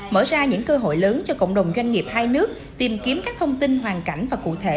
mở ra những cơ hội lớn cho cộng đồng doanh nghiệp hai nước tìm kiếm các thông tin hoàn cảnh và cụ thể